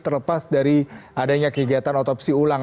terlepas dari adanya kegiatan otopsi ulang